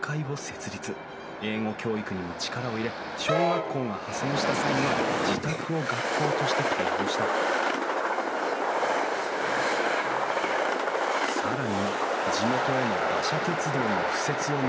英語教育にも力を入れ小学校が破損した際には自宅を学校として開放した更には地元への馬車鉄道の敷設を目指し